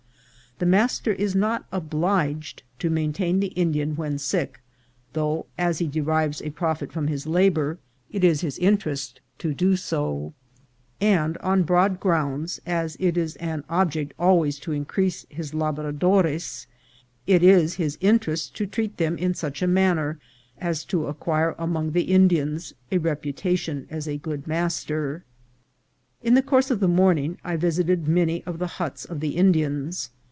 The master is not obliged to maintain the Indian when sick j though, as he derives a profit from his labour, it is his interest to do so ; and, on broad grounds, as it is an object always to increase his labradores, it is his inter est to treat them in such a manner as to acquire among the Indians a reputation as a good master. In the course of the morning I visited many of the huts of the Indians.